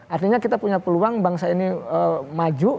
artinya kita punya peluang bangsa ini maju